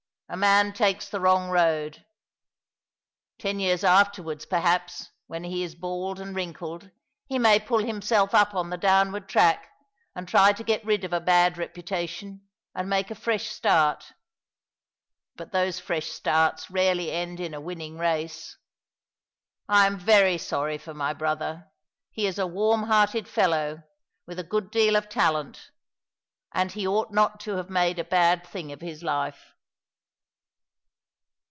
A man takes the wrong road. Ten years afterwards, perhaps, when he is bald and wrinkled, he may pull himself up on the downward track and try to get rid of a bad reputation and make a fresh start ; but those fresh starts rarely end in a winning race. I am very sorry for my brother. He is a warm hearted fellow, with a good deal of talent; and he ought not to have made a bad thing of his life."